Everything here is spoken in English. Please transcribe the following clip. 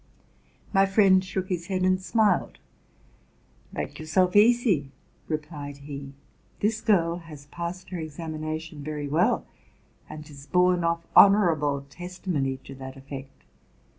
My friend shook his head and smiled. '* Make yourself easy,' replied he: '+ this girl has passed her examination very well, and has borne off honorable testimony to that effect.